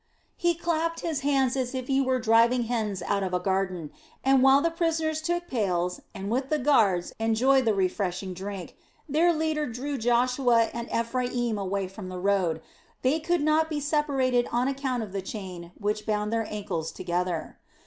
He clapped his hands as if he were driving hens out of a garden, and while the prisoners took pails and with the guards, enjoyed the refreshing drink, their leader drew Joshua and Ephraim away from the road they could not be separated on account of the chain which bound their ancles together.